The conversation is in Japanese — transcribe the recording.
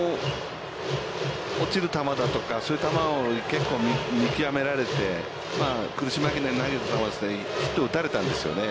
落ちる球だとか、そういう球を結構見きわめられて、苦し紛れに投げてヒットを打たれたんですよね。